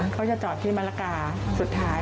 เขาจะจอดที่มะละกาสุดท้าย